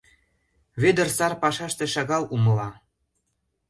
Вӧдыр сар пашаште шагал умыла.